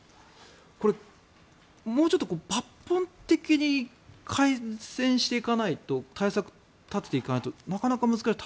これ、もうちょっと抜本的に改善していかないと対策を立てていかないとなかなか難しい。